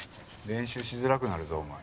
練習しづらくなるぞお前。